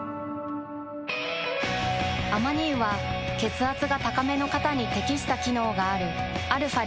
アマニ油は血圧が高めの方に適した機能があるαー